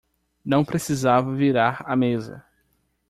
Não precisava virar a mesa